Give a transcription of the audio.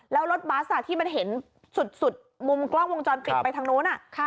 แล้วรถบัสที่มันเห็นสุดมุมกล้องวงจรปิดไปทางนู้น